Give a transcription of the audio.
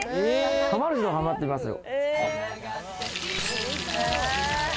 ハマる人は、ハマってますよ。